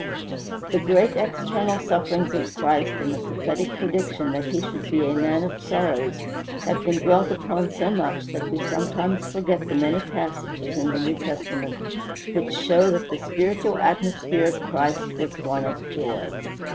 The great external sufferings of Christ and the prophetic prediction that he should be a "man of sorrows" have been dwelt upon so much that we sometimes forget the many passages in the New Testament which show that the spiritual atmosphere of Christ was one of joy.